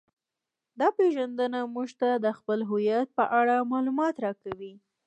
دا پیژندنه موږ ته د خپل هویت په اړه معلومات راکوي